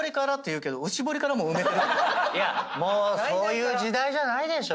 いやもうそういう時代じゃないでしょ。